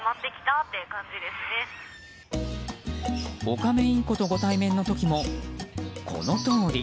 オカメインコとご対面の時もこのとおり。